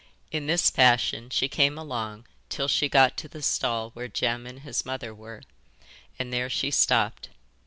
In this fashion she came along till she got to the stall where Jem and his mother were, and there she stopped.